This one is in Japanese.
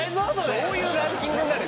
どういうランキングになるの？